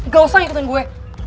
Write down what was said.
ga usah ikutin gue